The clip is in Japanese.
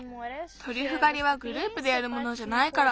トリュフがりはグループでやるものじゃないから。